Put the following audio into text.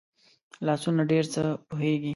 لاسونه ډېر څه پوهېږي